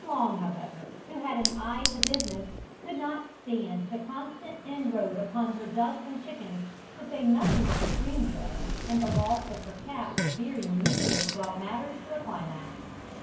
Long, however, who had an eye to business, could not stand the constant inroad upon her ducks and chickens, to say nothing of the cream jug, and the loss of her cap very nearly brought matters to a climax.